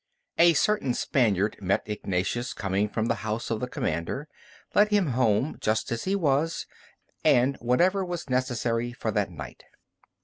A certain Spaniard met Ignatius coming from the house of the commander, led him home, just as he was, and gave him food and whatever was necessary for that night.